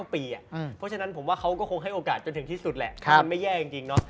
เพราะฉะนั้นผมว่าเขาก็คงให้โอกาสจนถึงที่สุดแหละมันไม่แย่จริงเนาะ